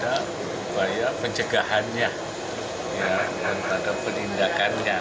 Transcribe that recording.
tapi lebih pada upaya pencegahannya menangkap penindakannya